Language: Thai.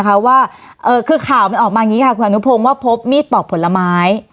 ข่าวออกมาอย่างงี้ค่ะคุณอนุพงว่าพบมีดปอกผลไม้